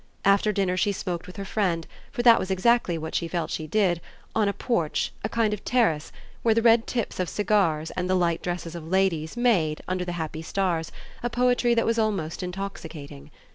After dinner she smoked with her friend for that was exactly what she felt she did on a porch, a kind of terrace, where the red tips of cigars and the light dresses of ladies made, under the happy stars, a poetry that was almost intoxicating.